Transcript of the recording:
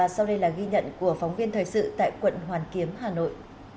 sau đây là ghi nhận của phóng viên thời sự tại quận hoàn kiếm hà nội